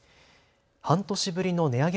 半年ぶりの値上げ